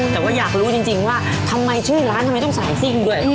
แต่ว่าอยากรู้จริงว่าทำไมชื่อร้านทำไมต้องใส่ซิ่งด้วย